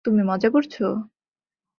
তুমি মজা করছ?